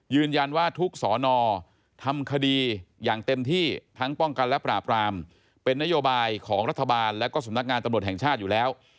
ว่าทุกสอนอทำคดีอย่างเต็มที่ทั้งป้องกันและปราบรามเป็นนโยบายของรัฐบาลและก็สำนักงานตำรวจแห่งชาติอยู่แล้ว